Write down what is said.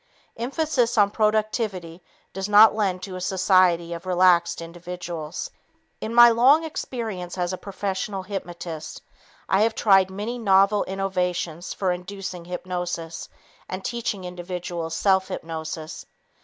Emphasis on productivity does not lend to a society of relaxed individuals. In my long experience as a professional hypnotist, I have tried many novel innovations for inducing hypnosis and teaching individuals self hypnosis.